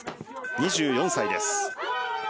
２４歳です。